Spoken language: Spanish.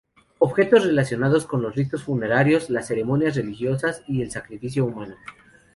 Objetos relacionados con los ritos funerarios, las ceremonias religiosas y el sacrificio humano.